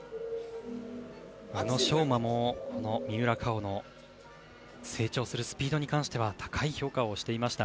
宇野昌磨も、三浦佳生の成長するスピードに関しては高い評価をしていました。